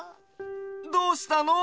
どうしたの？